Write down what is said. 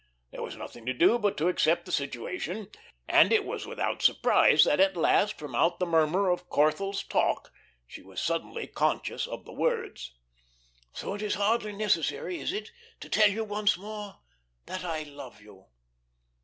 There was nothing to do but to accept the situation, and it was without surprise that at last, from out the murmur of Corthell's talk, she was suddenly conscious of the words: "So that it is hardly necessary, is it, to tell you once more that I love you?"